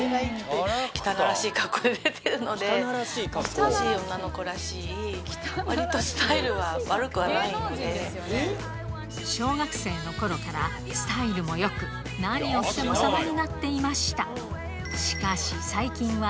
ピンクを基調としたそんな小学生の頃からスタイルもよく何をしても様になっていました